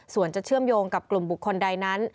ส่วนจะเชื่อมโยงกับกลุ่มบุคคลใดนั้น